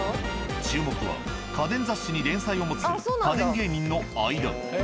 注目は家電雑誌に連載を持つ家電芸人の相田。